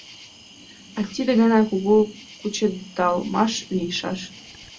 А тиде гана кугу кучедалмаш лийшаш.